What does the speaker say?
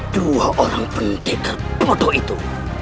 dua orang penting kebodoh itu